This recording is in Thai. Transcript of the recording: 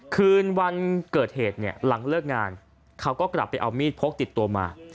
คืนวันเกิดเหตุเนี่ยหลังเลิกงานเขาก็กลับไปเอามีดพกติดตัวมา